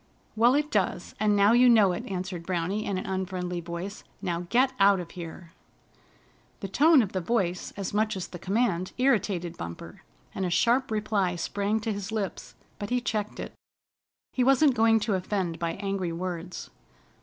"Well, it does, and now you know it," answered Browny in an unfriendly voice. "Now get out of here!" The tone of the voice as much as the command irritated Bumper, and a sharp reply sprang to his lips; but he checked it. He wasn't going to offend by angry words.